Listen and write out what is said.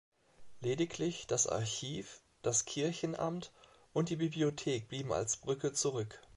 Lediglich das Archiv, das Kirchenamt und die Bibliothek blieben als Brücke zurück.